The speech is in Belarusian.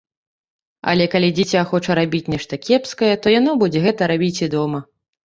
Але, калі дзіця хоча рабіць нешта кепскае, то яно будзе гэта рабіць і дома.